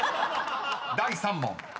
［第３問］